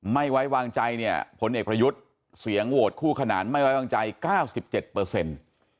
ไม่ไว้วางใจเนี่ยผลเอกประยุทธ์เสียงโหวตคู่ขนานไม่ไว้วางใจเก้าสิบเจ็ดเปอร์เซ็นต์